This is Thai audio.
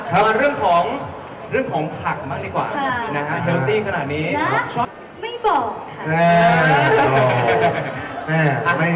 เอามาเรื่องของผักมากดีกว่าที่สุขขนาดนี้ไม่บอกค่ะ